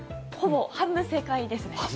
半分正解ですね。